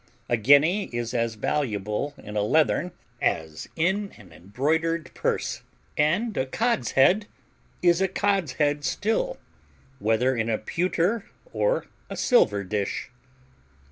A guinea is as valuable in a leathern as in an embroidered purse; and a cod's head is a cod's head still, whether in a pewter or a silver dish."